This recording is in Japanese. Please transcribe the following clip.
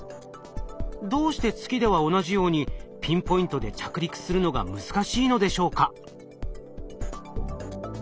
どうして月では同じようにピンポイントで着陸するのが難しいのでしょうか？